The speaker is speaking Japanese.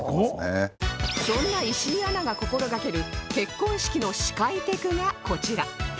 そんな石井アナが心がける結婚式の司会テクがこちら